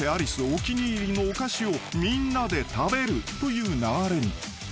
お気に入りのお菓子をみんなで食べるという流れに］